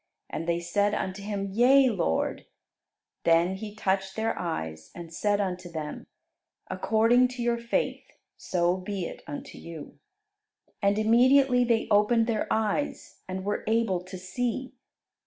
And they said unto Him, "Yea, Lord." Then He touched their eyes, and said unto them, "According to your faith, so be it unto you." And immediately they opened their eyes and were able to see.